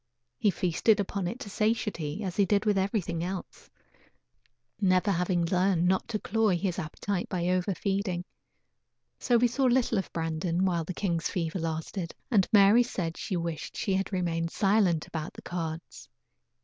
He feasted upon it to satiety as he did with everything else; never having learned not to cloy his appetite by over feeding. So we saw little of Brandon while the king's fever lasted, and Mary said she wished she had remained silent about the cards.